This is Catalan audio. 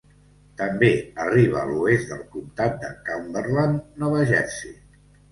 També arriba a l'oest del comtat de Cumberland, Nova Jersey.